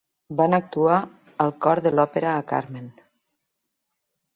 Van actuar al cor de l'òpera a Carmen.